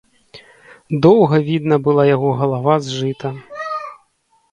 Доўга відна была яго галава з жыта.